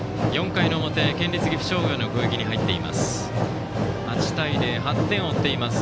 ４回の表、県立岐阜商業の攻撃に入っています。